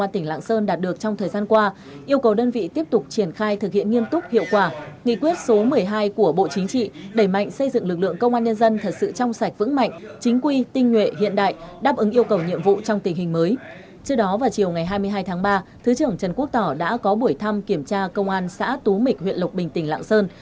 trước đó vào chiều ngày hai mươi hai tháng ba thứ trưởng trần quốc tỏ đã có buổi thăm kiểm tra công an xã tú mịch huyện lục bình tỉnh lạng sơn